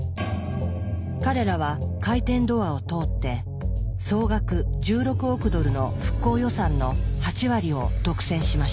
彼らは「回転ドア」を通って総額１６億ドルの復興予算の８割を独占しました。